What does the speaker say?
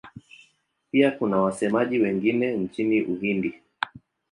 Pia kuna wasemaji wengine nchini Uhindi.